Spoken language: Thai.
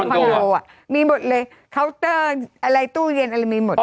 เป็นคอนโต้อ่ะมีหมดเลยอะไรตู้เย็นอะไรมีหมด